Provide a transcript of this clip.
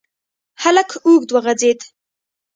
هلک اوږد وغځېد.